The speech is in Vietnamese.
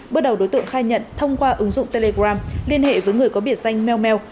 bước đầu đối tượng khai nhận thông qua ứng dụng telegram liên hệ với người có biệt danh mell